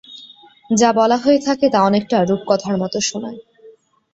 যা বলা হয়ে থাকে তা অনেকটা রূপকথার মত শোনায়।